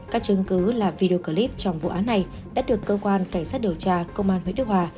các chứng cứ là video clip trong vụ án này đã được cơ quan cảnh sát điều tra công an huyện đức hòa